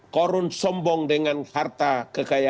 korun sombong dengan harta kekayaan